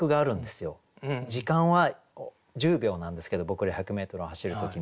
時間は１０秒なんですけど僕ら１００メートル走る時に。